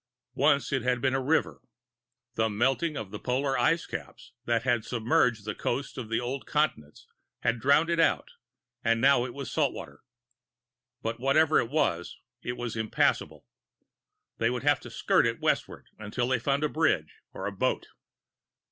Once it had been a river; the melting of the polar ice caps that had submerged the coasts of the old continents had drowned it out and now it was salt water. But whatever it was, it was impassable. They would have to skirt it westward until they found a bridge or a boat.